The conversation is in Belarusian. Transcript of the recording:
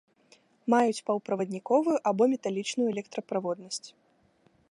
Маюць паўправадніковую або металічную электраправоднасць.